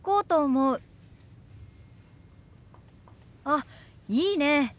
あっいいねえ。